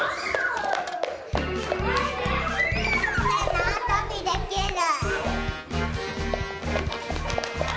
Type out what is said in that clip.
なわとびできる。